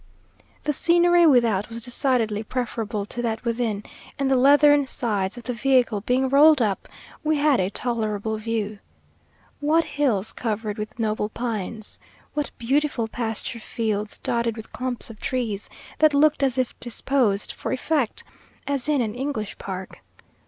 The scenery without was decidedly preferable to that within, and the leathern sides of the vehicle being rolled up, we had a tolerable view. What hills covered with noble pines! What beautiful pasture fields, dotted with clumps of trees, that looked as if disposed for effect, as in an English park!